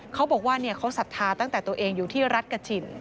เขาบอกว่าเขาศรัทธาตั้งแต่ตัวเองอยู่ที่รัฐกระถิ่น